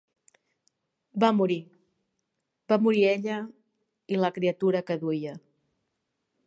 -Va morir. Va morir ella…i la criatura que duia.